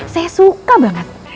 saya suka banget